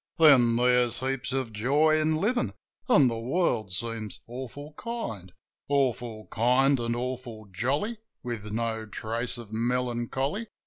Then there's heaps of joy in livin' an' the world seems awful kind — Awful kind an' awful jolly, with no trace of melancholy.